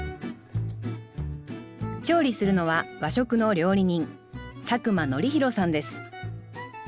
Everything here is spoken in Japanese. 調理するのは和食の料理人佐久間徳広さんです